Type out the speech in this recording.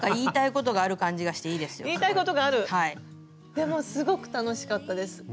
でもすごく楽しかったです。